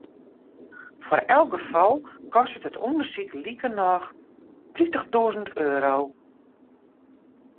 Foar elk gefal kostet it ûndersyk likernôch tritichtûzen euro.